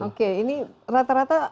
oke ini rata rata